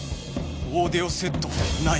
オーディオセットない